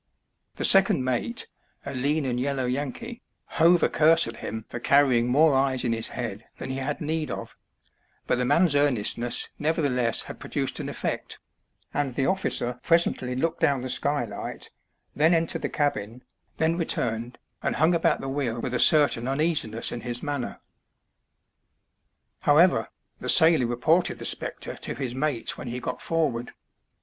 The second mate, a lean and yellow Yankee, hove a curse at him for carrying more eyes in his head than he had need of ; but the man's earnestness nevertheless had produced an effect, and the officer presently looked down the skylight, then entered the cabin, then returned, and hung about the wheel with a certain uneasiness in his manner. However, the sailor reported the spectre to his mates when he got forward.